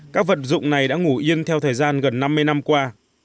các vật dụng này đã ngủ yên theo thời gian gần năm mươi năm qua